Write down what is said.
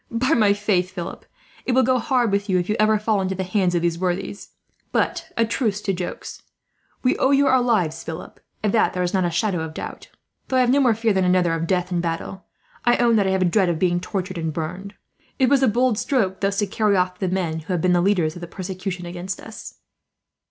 By my faith, Philip, it will go hard with you, if you ever fall into the hands of those worthies. "But a truce to jokes. We owe you our lives, Philip; of that there is not a shadow of doubt. Though I have no more fear than another of death in battle, I own that I have a dread of being tortured and burned. It was a bold stroke, thus to carry off the men who have been the leaders of the persecution against us."